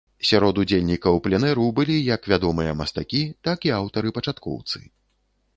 Сярод удзельнікаў пленэру былі як вядомыя мастакі, так і аўтары-пачаткоўцы.